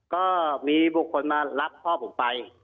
ก็มีบุคคลมารับพ่อผมไป